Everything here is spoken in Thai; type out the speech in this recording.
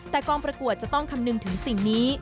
แต่กองประกวดจะต้องคำนึงถึงสิ่งนี้